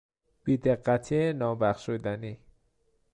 بیدقتی نابخشودنی